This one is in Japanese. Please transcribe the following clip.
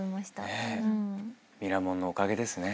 『ミラモン』のおかげですね。